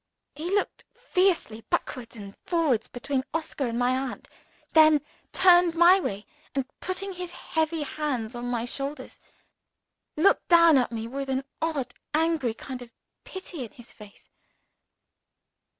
He looked fiercely backwards and forwards between Oscar and my aunt then turned my way, and putting his heavy hands on my shoulders, looked down at me with an odd angry kind of pity in his face.